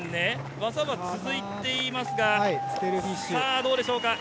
技は続いていますが、どうでしょうか？